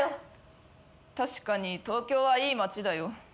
確かに東京はいい街だよ。